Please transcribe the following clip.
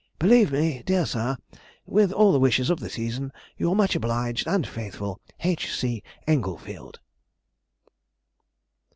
Believe me, dear Sir, With all the wishes of the season, Your much obliged and faithful H. C. ENGLEFIELD.